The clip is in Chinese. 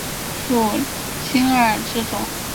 隶属于青二制作。